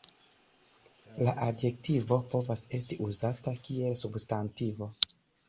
La adjektivo povas esti uzata kiel substantivo.